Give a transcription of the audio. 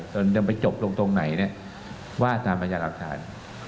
ต้องไปจบลงตรงไหนว่าสามัญญาณหลักฐาน